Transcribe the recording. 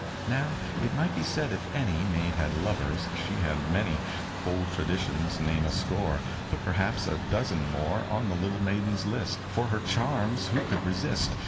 Now, it might be said if any Maid had lovers she had many ; Old traditions name a score. Put perhaps a dozen more On the little maiden s list, For her charms who could resist